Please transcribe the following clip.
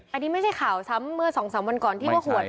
อันนี้ไม่ใช่ข่าวซ้ำเมื่อสองสามวันก่อนที่ว่าหวดใช่ไหม